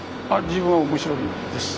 自分は面白いです。